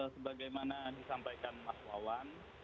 sebagai yang disampaikan mas wawan